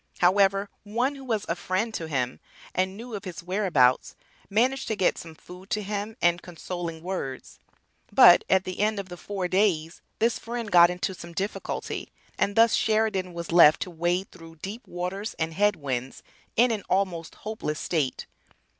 However, one who was a "friend" to him, and knew of his whereabouts, managed to get some food to him and consoling words; but at the end of the four days this friend got into some difficulty and thus Sheridan was left to "wade through deep waters and head winds" in an almost hopeless state.